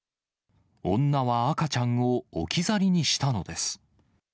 女は赤ちゃんを置き去りにしたのです。